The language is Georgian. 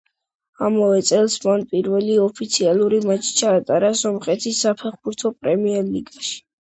ამავე წელს მან პირველი ოფიციალური მატჩი ჩაატარა სომხეთის საფეხბურთო პრემიერლიგაში.